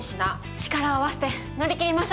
力を合わせて乗り切りましょう！